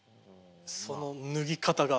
その脱ぎ方が。